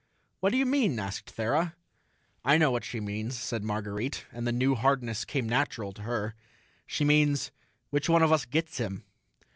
"What do you mean?" asked Thera. "I know what she means," said Marguerite, and the new hardness came natural to her. "She means, which one of us gets him?"